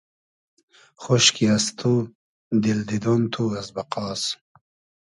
خۉشکی از تو دیل دیدۉن تو از بئقاس